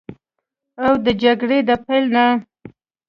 او د جګړو د پیل نه